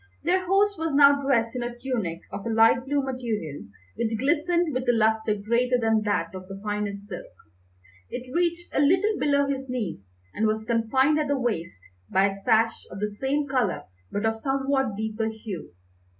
Their host was now dressed in a tunic of a light blue material, which glistened with a lustre greater than that of the finest silk. It reached a little below his knees, and was confined at the waist by a sash of the same colour but of somewhat deeper hue.